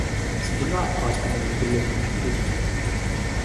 ฉันคิดว่าเขาอาจจะเป็นหนึ่งในคุณลุงที่ดีของฉัน